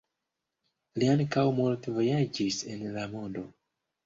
Li ankaŭ multe vojaĝis en la mondo.